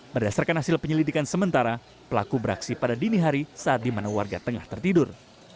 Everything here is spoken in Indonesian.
berdasarkan hasil penyelidikan sementara pelaku beraksi pada dini hari saat di mana warga tengah tertidur